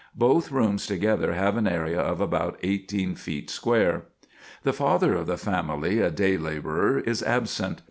Both rooms together have an area of about eighteen feet square. "The father of the family, a day laborer, is absent.